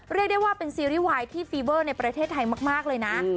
เรียกได้ว่าเป็นซีรีส์วายที่ฟีเวอร์ในประเทศไทยมากเลยนะ